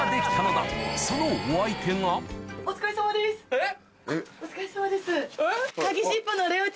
えっ？